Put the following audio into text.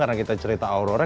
karena kita cerita aurora